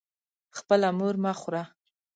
خپله مور مه خوره.